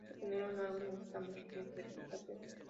Por eso generar un árbol necesita mucho tiempo de computación.